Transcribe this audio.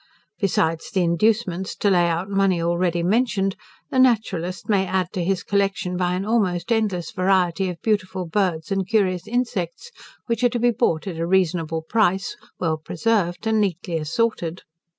Besides the inducements to lay out money already mentioned, the naturalist may add to his collection by an almost endless variety of beautiful birds and curious insects, which are to be bought at a reasonable price, well preserved, and neatly assorted.